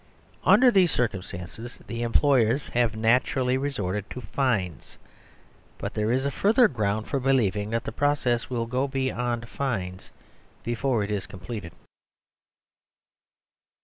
Under these circumstances the employers have naturally resorted to fines. But there is a further ground for believing that the process will go beyond fines before it is completed.